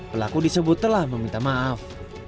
pelaku disebut telah meminta maaf